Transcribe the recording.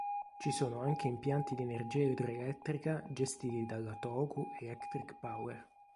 Ci sono anche impianti di energia idroelettrica gestiti dalla Tohoku Electric Power.